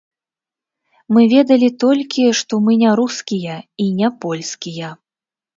Мы ведалі толькі, што мы не рускія, і не польскія.